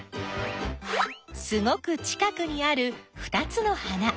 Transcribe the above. すごく近くにあるふたつの花。